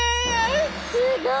すごい！